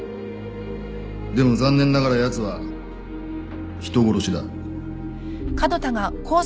でも残念ながらやつは人殺しだ。